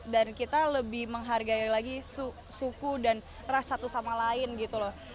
dan kita lebih menghargai lagi suku dan ras satu sama lain gitu loh